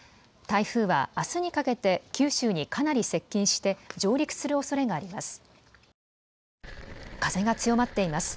台風はあすにかけて九州にかなり接近して、上陸するおそれがあります。